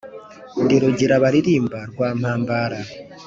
ndi rugira baririmba rwa mpambara